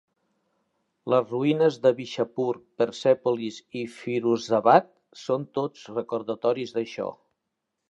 Les ruïnes de Bishapur, Persèpolis i Firouzabad són tots recordatoris d'això.